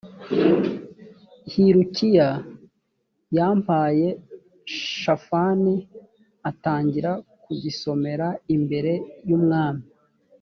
hilukiya yampaye shafani atangira kugisomera imbere y’ umwami